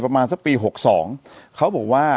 ประมาณสักปี๖๒เขาบอกว่า